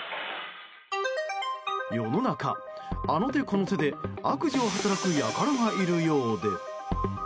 世の中、あの手この手で悪事を働く輩がいるようで。